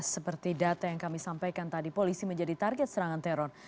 seperti data yang kami sampaikan tadi polisi menjadi target serangan teror